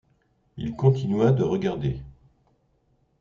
Il continua de regarder.